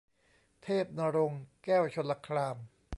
เทพณรงค์ แก้วชลคราม